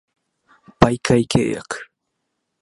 媒介契約